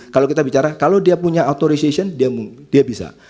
kalau kita bicara kalau dia punya authorization dia bisa